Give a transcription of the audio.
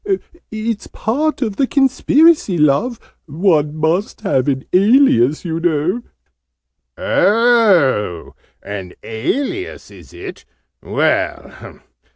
"It's part of the Conspiracy, Love! One must have an alias, you know " "Oh, an alias, is it? Well!